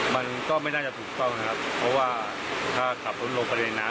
มันก็ไม่น่าจะถูกต้องนะครับเพราะว่าถ้าขับรถลงไปในน้ำ